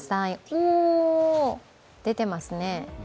お、出てますね。